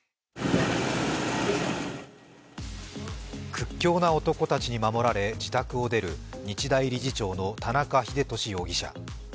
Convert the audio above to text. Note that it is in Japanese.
屈強な男たちに守られ自宅を出る日大理事長の田中英寿容疑者。